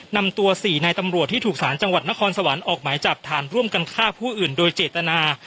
นำตัว๔นายตำรวจที่ถูกสารจังหวัดนครสวรรค์ออกหมายจับฐานร่วมกันฆ่าผู้อื่นโดยเจตนา